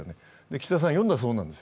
岸田さんはそれを読んだそうです。